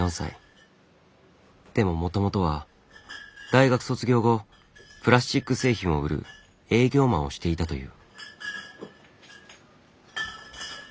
でももともとは大学卒業後プラスチック製品を売る営業マンをしていたという。